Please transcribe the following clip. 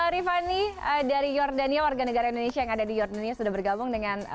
rifani dari jordania warga negara indonesia yang ada di jordania sudah bergabung dengan